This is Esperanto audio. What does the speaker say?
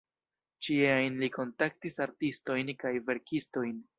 Ĉie ajn li kontaktis artistojn kaj verkistojn.